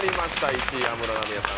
１位安室奈美恵さん